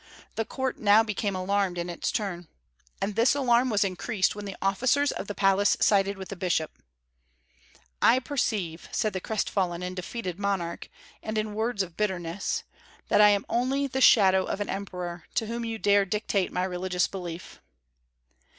The Court now became alarmed in its turn. And this alarm was increased when the officers of the palace sided with the bishop. "I perceive," said the crestfallen and defeated monarch, and in words of bitterness, "that I am only the shadow of an emperor, to whom you dare dictate my religious belief."